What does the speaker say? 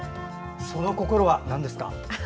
その心は、なんですか？